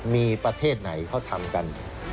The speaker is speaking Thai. มีประเทศไหนเขาทำกัน